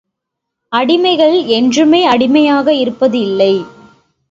அடிமைகள் என்றுமே அடிமையாக இருப்பது இல்லை.